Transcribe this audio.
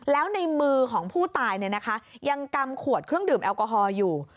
แล้วในมือของผู้ตายยังกำขวดเครื่องดื่มแอลกอฮอล์อยู่